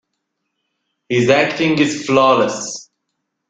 His acting is flawless.